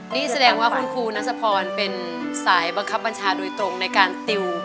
นี่แสดงว่าคุณครูนัสพรเป็นสายบังคับบัญชาโดยตรงในการติว